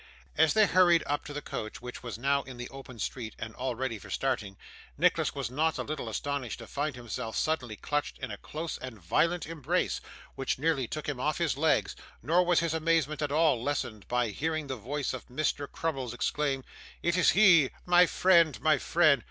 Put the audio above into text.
As they hurried up to the coach, which was now in the open street and all ready for starting, Nicholas was not a little astonished to find himself suddenly clutched in a close and violent embrace, which nearly took him off his legs; nor was his amazement at all lessened by hearing the voice of Mr. Crummles exclaim, 'It is he my friend, my friend!